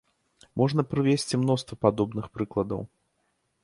Можна прывесці мноства падобных прыкладаў.